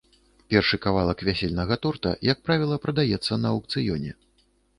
Першы кавалак вясельнага торта, як правіла, прадаецца на аўкцыёне.